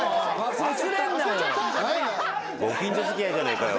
ご近所付き合いじゃねえかよ。